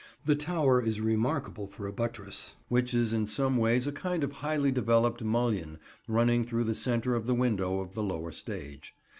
The tower is remarkable for a buttress which is in some ways a kind of highly developed mullion running through the centre of the window of the lower stage.